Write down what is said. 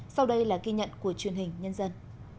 sau đây là ghi nhận của truyền hình nhân dân